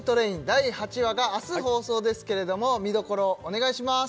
第８話が明日放送ですけれどもみどころお願いします